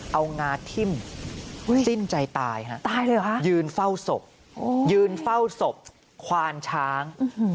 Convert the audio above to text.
เอางาทิ้มสิ้นใจตายฮะตายเลยเหรอฮะยืนเฝ้าศพยืนเฝ้าศพควานช้าง